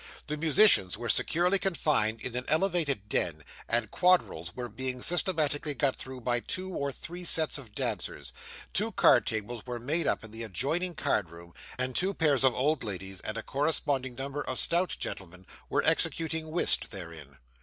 The musicians were securely confined in an elevated den, and quadrilles were being systematically got through by two or three sets of dancers. Two card tables were made up in the adjoining card room, and two pair of old ladies, and a corresponding number of stout gentlemen, were executing whist therein.